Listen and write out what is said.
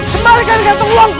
kembalikan kantong uangku